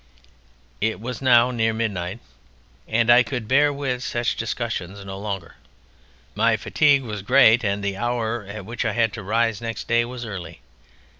It was now near midnight, and I could bear with such discussions no longer; my fatigue was great and the hour at which I had to rise next day was early.